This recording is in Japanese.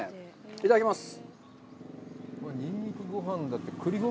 いただきます。